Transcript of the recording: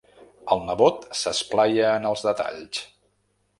El nebot s'esplaia en els detalls.